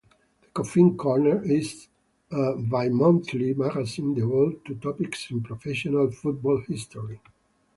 "The Coffin Corner" is a bimonthly magazine devoted to topics in professional football history.